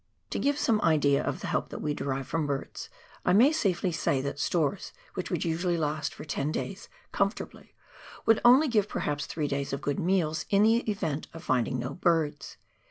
To give some idea of the help that we derive from birds, I may safely say that stores which would usually last for ten days comfortably would only give perhaps three days of good meals in the event of finding no birds.